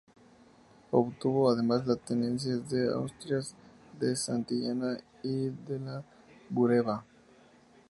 Obtuvo además la tenencias de Asturias de Santillana y de la Bureba.